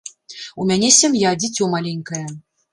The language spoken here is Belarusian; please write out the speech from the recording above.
У мяне сям'я, дзіцё маленькае.